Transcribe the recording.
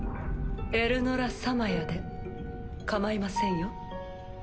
エルノラ・サマヤでかまいませんよ。